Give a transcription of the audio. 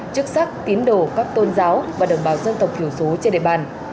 chức sắc tín đồ các tôn giáo và đồng bào dân tộc thiểu số trên địa bàn